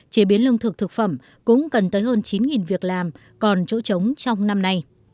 chế biến lương thực thực phẩm cũng cần tới hơn chín việc làm còn chỗ trống trong năm nay